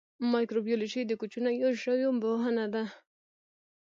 مایکروبیولوژي د کوچنیو ژویو پوهنه ده